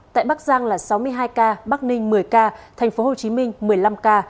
tại bắc giang là sáu mươi hai ca bắc ninh một mươi ca tp hcm một mươi năm ca